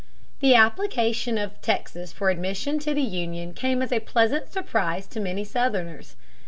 The application of Texas for admission to the Union came as a pleasant surprise to many Southerners.